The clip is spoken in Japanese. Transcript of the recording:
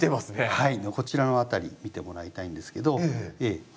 はい。